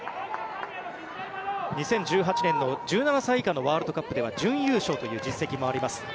２０１８年の１７歳以下のワールドカップでは準優勝という実績もあります。